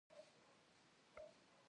Vığaşşxere zobzêijj.